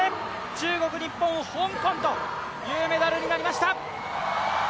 中国、日本、香港というメダルになりました。